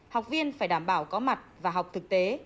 học viên phải đảm bảo có mặt và học thực tế